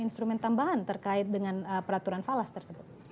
instrumen tambahan terkait dengan peraturan falas tersebut